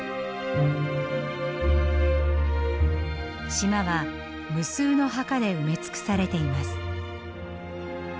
島は無数の墓で埋め尽くされています。